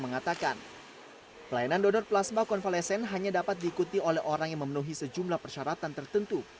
mengatakan pelayanan donor plasma konvalesen hanya dapat diikuti oleh orang yang memenuhi sejumlah persyaratan tertentu